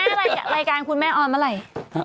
อะไรรายการคุณแม่ออนเมื่อไหร่